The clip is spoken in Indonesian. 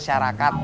saya tau bu